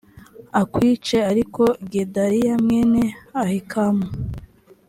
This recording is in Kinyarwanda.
akwice ariko gedaliya mwene ahikamu